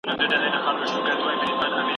دا موضوع په رښتیا هم د مطالعي ارزښت لري.